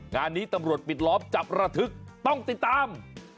งานนี้ตำรวจปิดล้อมจับระทึกต้องติดตาม